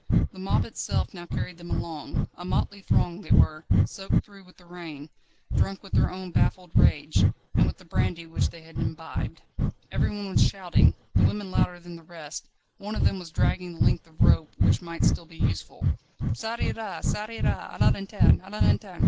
The mob itself now carried them along. A motley throng they were, soaked through with the rain, drunk with their own baffled rage, and with the brandy which they had imbibed. Everyone was shouting; the women louder than the rest; one of them was dragging the length of rope, which might still be useful. "_Ça ira! ça ira! A la lanterne! A la lanterne!